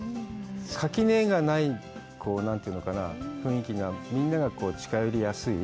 垣根がない、何と言うのかな、雰囲気が、みんなが近寄りやすい。